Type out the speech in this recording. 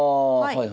はい。